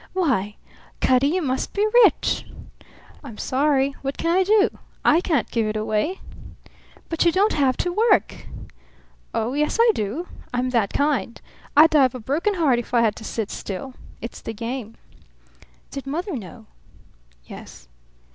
"Why, Cutty, you must be rich!" "I'm sorry. What can I do? I can't give it away." "But you don't have to work!" "Oh, yes, I do. I'm that kind. I'd die of a broken heart if I had to sit still. It's the game." "Did mother know?" "Yes."